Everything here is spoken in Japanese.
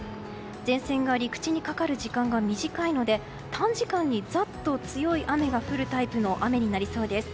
前線が陸地にかかる時間が短いので短時間にざっと強い雨が降るタイプの雨になりそうです。